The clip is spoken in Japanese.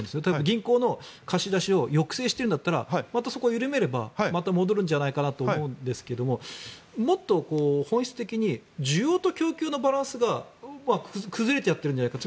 銀行の貸し出しを抑制してるんだったらまたそこを緩めればまた戻るんじゃないかなと思うんですがもっと本質的に需要と供給のバランスが崩れちゃってるんじゃないか。